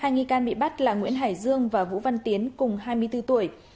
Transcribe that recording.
hai nghi can bị bắt là nguyễn hải dương và vũ văn tiến cùng hai mươi bốn tuổi